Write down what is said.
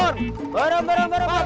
baram baram baram baram baram